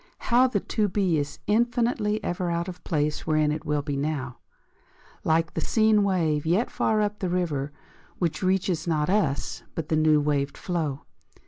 How the to be is infinitely ever Out of the place wherein it will be Now, Like the seen wave yet far up in the river, Which reaches not us, but the new waved flow!